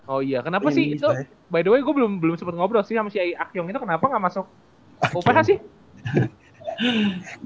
oh iya kenapa sih itu by the way gua belum sempet ngobrol sih sama si akiong itu kenapa ga masuk uph sih